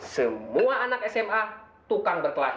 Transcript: semua anak sma tukang berkelah